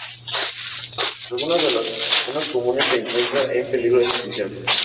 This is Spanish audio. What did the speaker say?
Algunos de los menos comunes se encuentran en peligro de extinción.